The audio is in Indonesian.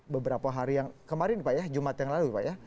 beberapa hari yang kemarin pak ya jumat yang lalu pak ya